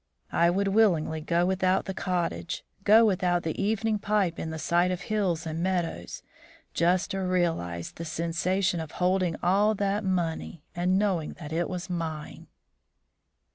I would willingly go without the cottage, go without the evening pipe in the sight of hills and meadows, just to realise the sensation of holding all that money and knowing that it was mine."